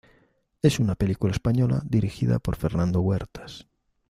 Es una película española dirigida por Fernando Huertas.